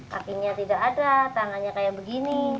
kakinya tidak ada tangannya kayak begini